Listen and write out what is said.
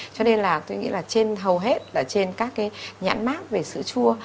cho nên là tôi nghĩ là trên hầu hết trên các nhãn map về sữa chua